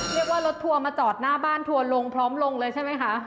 เรียกว่ารถทัวร์มาจอดหน้าบ้านทัวร์ลงพร้อมลงเลยใช่ไหมคะ